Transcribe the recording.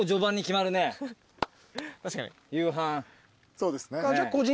そうですね。